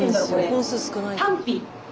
本数少ないから。